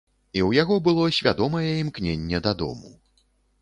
І ў яго было свядомае імкненне дадому.